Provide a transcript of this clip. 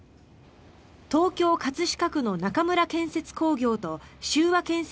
東京・葛飾区の中村建設工業と秀和建設